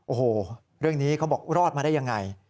โอ้โหเรื่องนี้เขาบอกรอดมาได้ยังไง